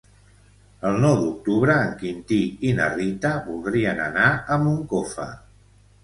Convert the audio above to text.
El nou d'octubre en Quintí i na Rita voldrien anar a Moncofa.